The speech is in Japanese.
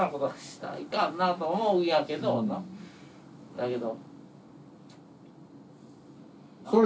だけど。